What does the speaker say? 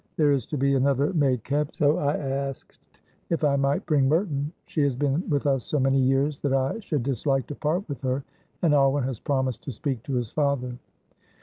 There is to be another maid kept, so I asked if I might bring Merton; she has been with us so many years that I should dislike to part with her, and Alwyn has promised to speak to his father."